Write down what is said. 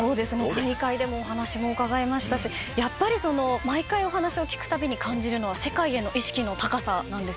大会でもお話も伺いましたしやっぱり毎回お話を聞くたびに感じるのは世界への意識の高さなんですよね。